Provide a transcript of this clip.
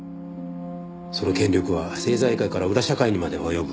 その権力は政財界から裏社会にまで及ぶ。